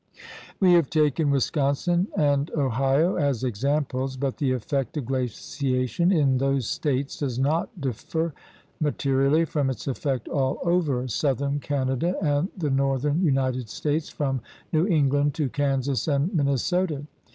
GEOGRAPHIC PROVINCES 59 We have taken Wisconsin and Ohio as examples, but the effect of glaciation in those States does not differ materially from its effect all over southern Canada and the northern United States from New England to Kansas and Minnesota.